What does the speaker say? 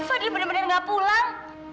fadil bener bener nggak pulang